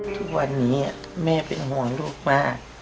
ทุกวันนี้แม่เป็นห่วงลูกมาก